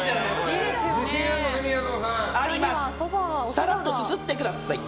さらっとすすってください。